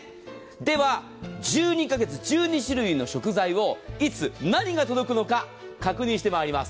では１２カ月１２種類の食材をいつ何が届くのか確認してまいります。